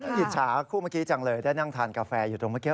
อิจฉาคู่เมื่อกี้จังเลยได้นั่งทานกาแฟอยู่ตรงเมื่อกี้